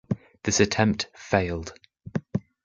This attempt failed.